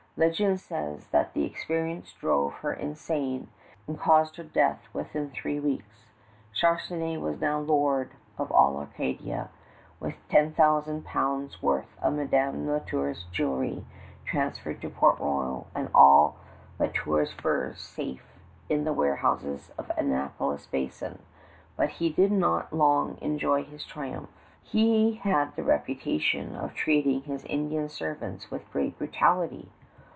Legend says that the experience drove her insane and caused her death within three weeks. Charnisay was now lord of all Acadia, with 10,000 pounds worth of Madame La Tour's jewelry transferred to Port Royal and all La Tour's furs safe in the warehouses of Annapolis Basin; but he did not long enjoy his triumph. He had the reputation of treating his Indian servants with great brutality.